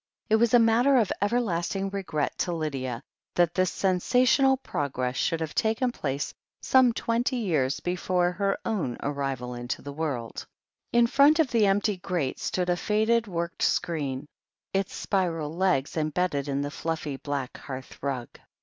It was a matter of everlasting regret to Lydia that lo THE HEEL OF ACHILLES this sensational progress should have taken place some twenty years before her own arrival into the world. In front of the empty grate stood a faded worked screen, its spiral legs embedded in the fluffy black hearth rug.